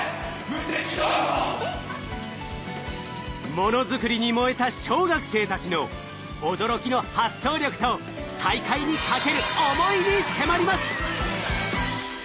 ものづくりに燃えた小学生たちの驚きの発想力と大会にかける思いに迫ります！